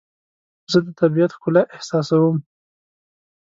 زه د طبیعت ښکلا احساسوم.